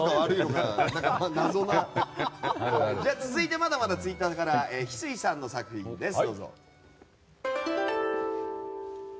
続いてまだまだツイッターからヒスイさんの作品です。